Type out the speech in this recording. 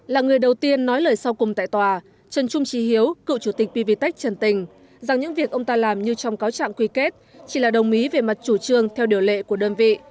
là người đầu tiên nói lời sau cùng tại tòa trần trung trí hiếu cựu chủ tịch pvtech trần tình rằng những việc ông ta làm như trong cáo trạng quy kết chỉ là đồng ý về mặt chủ trương theo điều lệ của đơn vị